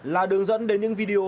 là đường dẫn đến những video